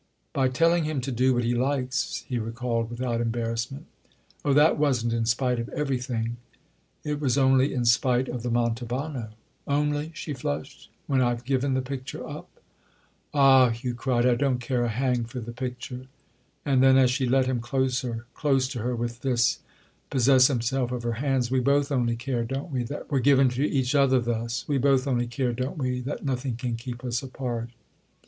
"By telling him to do what he likes?" he recalled without embarrassment. "Oh, that wasn't in spite of 'everything'—it was only in spite of the Manto vano." "'Only'?" she flushed—"when I've given the picture up?" "Ah," Hugh cried, "I don't care a hang for the picture!" And then as she let him, closer, close to her with this, possess himself of her hands: "We both only care, don't we, that we're given to each other thus? We both only care, don't we, that nothing can keep us apart?"